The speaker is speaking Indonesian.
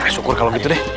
syukur kalau gitu deh